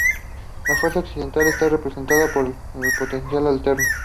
La fuerza oscilante está representada por el potencial alterno.